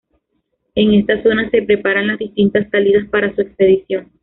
En esta zona se preparan las distintas salidas para su expedición.